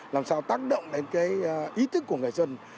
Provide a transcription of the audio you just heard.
làm sao tác động đến cái ý thức của người dân